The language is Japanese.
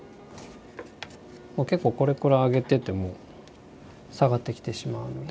結構これくらい上げてても下がってきてしまうので。